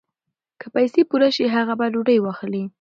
که پیسې پوره شي هغه به ډوډۍ واخلي.